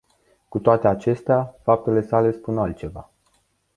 Cu toate acestea, faptele sale spun altceva.